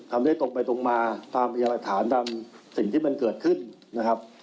ทำได้ตรงไปตรงมาตามพยาหลักฐานตามสิ่งที่มันเกิดขึ้นนะครับ